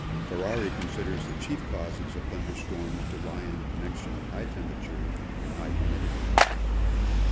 Ferari considers the chief causes of thunder storms to lie in the connec tion of high temperature and high humidity.